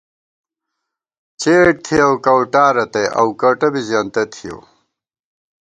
څېڈ تھِیَؤ کَؤٹا رتئ اؤ کَؤٹہ بی زېنتہ تھِیَؤ